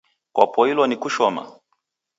Kwapoilwa ni kushoma?